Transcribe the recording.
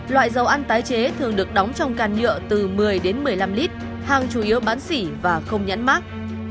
loại dầu ăn tái chế thường được đóng trong càn nhựa từ một mươi đến một mươi năm lít hàng chủ yếu bán xỉ và không nhãn mát